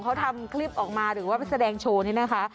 เขาทำคลิปออกมาหรือว่าไปแสดงโชว์นี่นะคะ